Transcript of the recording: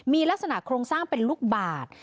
มีลักษณะโครงสร้างเป็นลูกบาท